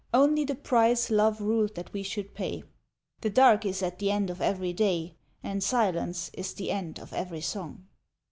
Only the price Love ruled that we should pay : The dark is at the end of every day. And silence is the end of every song.